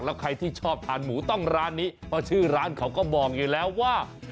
แล้วใครที่ชอบทานหมูต้องร้านนี้เพราะชื่อร้านเขาก็บอกอยู่แล้วว่า